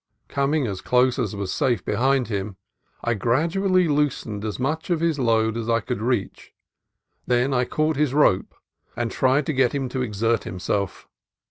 Coming as close as was safe behind him, I gradu ally loosened as much of his load as I could reach. Then I caught his rope and tried to get him to exert himself.